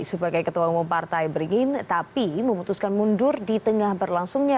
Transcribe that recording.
sebagai ketua umum partai beringin tapi memutuskan mundur di tengah berlangsungnya